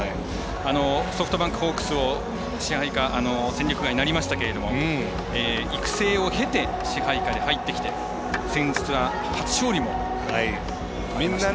ソフトバンクホークスを戦力外になりましたけれども育成を経て支配下で入ってきて先日は初勝利も挙げました。